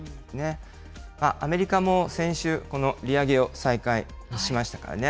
アメリカも先週、この利上げを再開しましたからね。